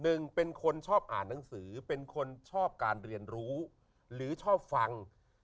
หนึ่งเป็นคนชอบอ่านหนังสือเป็นคนชอบการเรียนรู้หรือชอบฟัง